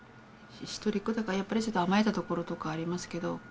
一人っ子だからやっぱりちょっと甘えたところとかありますけど。